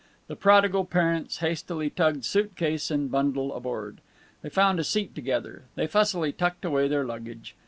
The prodigal parents hastily tugged suit case and bundle aboard. They found a seat together. They fussily tucked away their luggage.